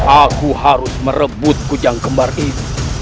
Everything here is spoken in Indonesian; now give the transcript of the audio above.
aku harus merebut ujang udap ini